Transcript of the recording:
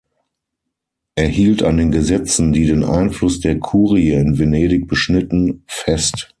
Er hielt an den Gesetzen, die den Einfluss der Kurie in Venedig beschnitten, fest.